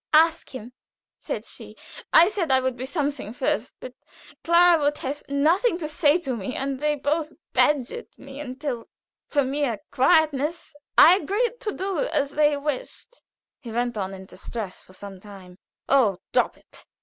"'Ask him,' said she. I said I would be something first. But Clara would have nothing to say to me, and they both badgered me until for mere quietness I agreed to do as they wished." He went on in distress for some time. "Oh, drop it!"